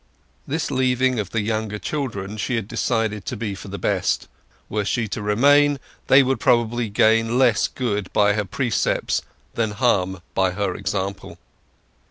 This leaving of the younger children she had decided to be for the best; were she to remain they would probably gain less good by her precepts than harm by her example.